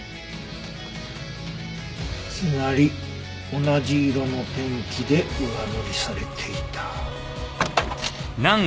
つまり同じ色のペンキで上塗りされていた。